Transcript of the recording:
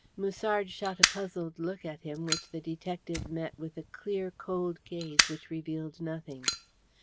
Musard shot a puzzled look at him, which the detective met with a clear cold gaze which revealed nothing.